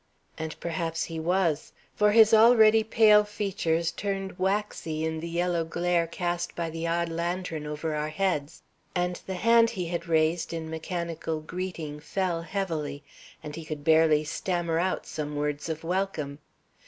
And perhaps he was, for his already pale features turned waxy in the yellow glare cast by the odd lantern over our heads, and the hand he had raised in mechanical greeting fell heavily, and he could barely stammer out some words of welcome.